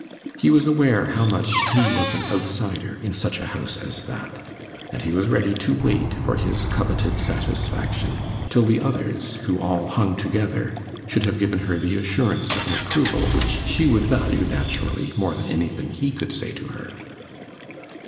He was aware how much he was an outsider in such a house as that, and he was ready to wait for his coveted satisfaction till the others, who all hung together, should have given her the assurance of an approval which she would value, naturally, more than anything he could say to her.